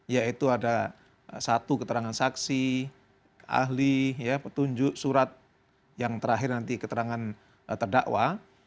yaitu ada satu keterangan saksi ahli petunjuk surat yang terakhir nanti keterangan terdakwa